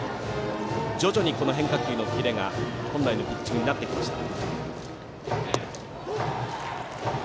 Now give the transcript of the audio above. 徐々に変化球のキレが、本来のピッチングになってきました。